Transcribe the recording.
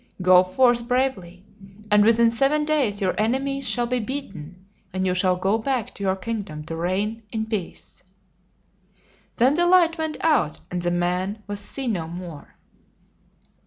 Go forth bravely, and within seven days your en e mies shall be beaten, and you shall go back to your kingdom to reign in peace." Then the light went out, and the man was seen no more.